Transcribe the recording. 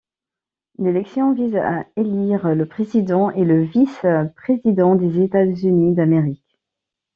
L'élection vise à élire le président et le vice-président des États-Unis d'Amérique.